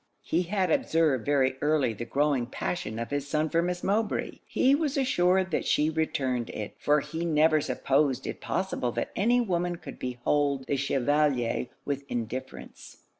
He had observed very early the growing passion of his son for Miss Mowbray. He was assured that she returned it; for he never supposed it possible that any woman could behold the Chevalier with indifference.